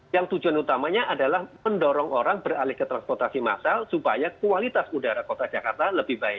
yang tujuan utamanya adalah mendorong orang beralih ke transportasi massal supaya kualitas udara kota jakarta lebih baik